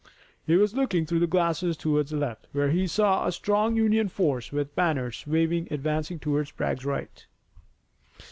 He was looking through his glasses toward the left, where he saw a strong Union force, with banners waving, advancing toward Bragg's right.